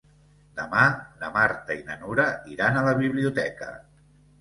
Demà na Marta i na Nura iran a la biblioteca.